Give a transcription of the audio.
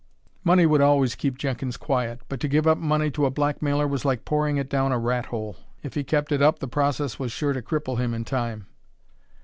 Money would always keep Jenkins quiet, but to give up money to a blackmailer was like pouring it down a rat hole; if he kept it up the process was sure to cripple him in time.